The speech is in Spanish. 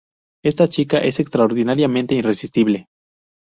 Esta chica es extraordinariamente irresistible.